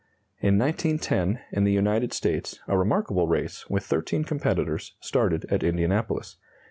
In 1910, in the United States, a remarkable race, with thirteen competitors, started at Indianapolis.